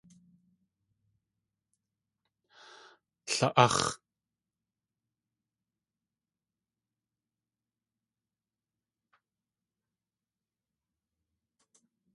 La.áx̲!